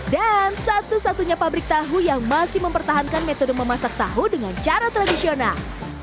dan satu satunya pabrik tahu yang masih mempertahankan metode memasak tahu dengan cara tradisional